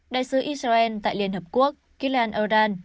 đại sứ israel tại liên hợp quốc kylian erdogan